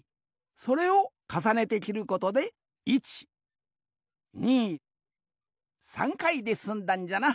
それをかさねてきることで１２３回ですんだんじゃな。